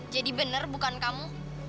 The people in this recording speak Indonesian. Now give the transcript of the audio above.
jadi benar bukan kamu